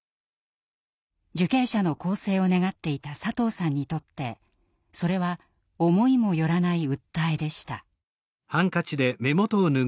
受刑者の更生を願っていた佐藤さんにとってそれは思いも寄らない訴えでした。